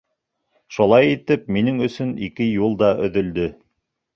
Шулай итеп, минең өсөн ике юл да өҙөлдө.